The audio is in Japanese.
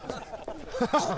ハハハハ！